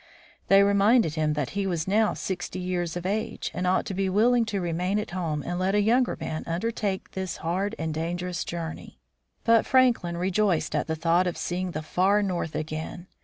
They reminded him that he was now sixty years of age, and ought to be willing to remain at home and let a younger man undertake this hard and dangerous journey. But Franklin rejoiced at the thought of seeing the far North again.